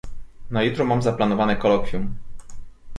Na jutro mam zaplanowane kolokwium.